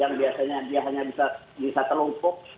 yang biasanya dia hanya bisa terlumpuh